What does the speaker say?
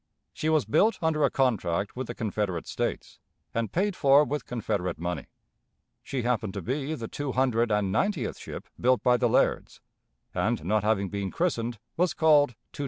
She was built under a contract with the Confederate States, and paid for with Confederate money. She happened to be the two hundred and ninetieth ship built by the Lairds, and, not having been christened, was called 290.